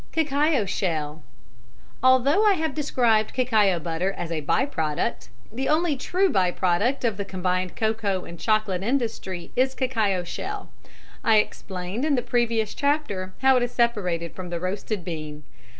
Cacao Shell. Although I have described cacao butter as a by product, the only true by product of the combined cocoa and chocolate industry is cacao shell. I explained in the previous chapter how it is separated from the roasted bean.